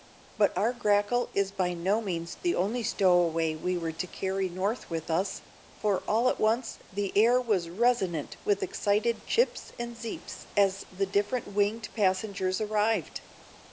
But our grackle is by no means the only stowaway we were to carry north with us, for all at once the air was resonant with excited "chips" and "zeeps" as the different winged passengers arrived.